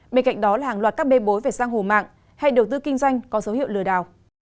bên cạnh đó là hàng loạt các bê bối về giang hổ mạng hay đầu tư kinh doanh có dấu hiệu lừa đảo